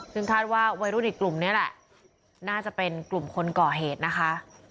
ซึ่งคาดว่าวัยรุ่นอีกกลุ่มนี้แหละน่าจะเป็นกลุ่มคนก่อเหตุนะคะ